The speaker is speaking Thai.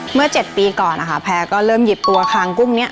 เมื่อ๗ปีก่อนนะคะแพร่ก็เริ่มหยิบตัวคางกุ้งนี้